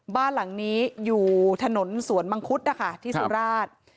บ้านหลังนี้อยู่ถนนสวนมังคุดนะคะที่สุราช